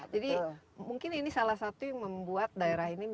jadi mungkin ini salah satu yang membuat kita berpikir